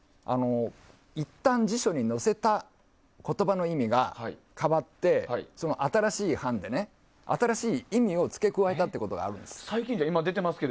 いったん辞書に載せた言葉の意味が変わって、新しい版で新しい意味を付け加えたことがあるんです。